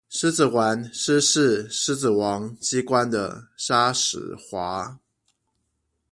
獅子丸師事獅子王機關的紗矢華